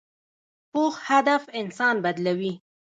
پوخ هدف انسان بدلوي